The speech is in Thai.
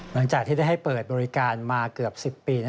หลังจากที่ได้ให้เปิดบริการมาเกือบ๑๐ปี